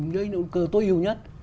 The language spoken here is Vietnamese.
với động cơ tối ưu nhất